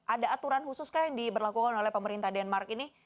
ada aturan khusus kah yang diberlakukan oleh pemerintah denmark ini